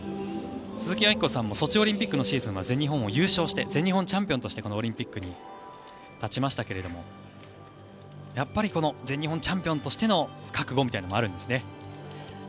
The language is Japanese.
鈴木明子さんもソチオリンピックのシーズンは全日本を優勝して全日本チャンピオンとしてこのオリンピックに立ちましたがやっぱりこの全日本チャンピオンとしての覚悟みたいなのはあるんですね。